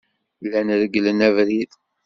Llan regglen abrid.